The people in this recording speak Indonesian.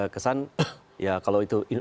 kesan ya kalau itu